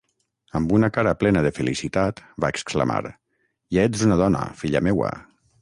Amb una cara plena de felicitat va exclamar, ja ets una dona, filla meua!